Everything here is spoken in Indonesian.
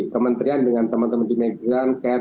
kementerian dengan teman teman di migran cat